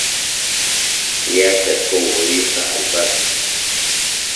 Yachak kunkurirka allpapi.